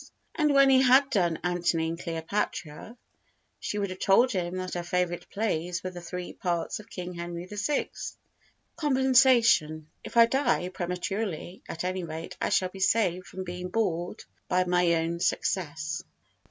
And when he had done Antony and Cleopatra she would have told him that her favourite plays were the three parts of King Henry VI. Compensation If I die prematurely, at any rate I shall be saved from being bored by my own success.